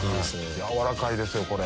軟らかいですよこれ。